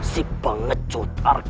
si pengecut rakyat teranak